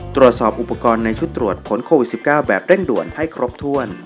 ตรวจสอบอุปกรณ์ในชุดตรวจผลโควิด๑๙แบบเร่งด่วนให้ครบถ้วน